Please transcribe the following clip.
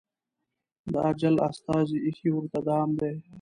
د اجل استازي ایښی ورته دام دی